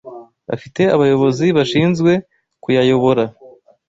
afite abayobozi bashinzwe kuyayobora